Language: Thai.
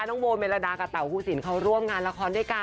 น้องโบเมลดากับเต่าภูสินเขาร่วมงานละครด้วยกัน